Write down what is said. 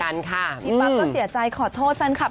ป้าก็เสียใจขอโทษสันครับ